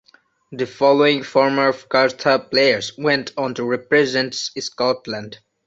The following former Cartha players went on to represent Scotland.